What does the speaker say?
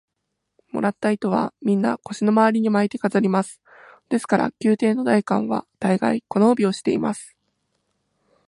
もらった糸は、みんな腰のまわりに巻いて飾ります。ですから、宮廷の大官は大がい、この帯をしています。